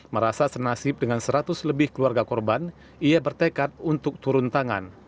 merasa senasib dengan seratus lebih keluarga korban ia bertekad untuk turun tangan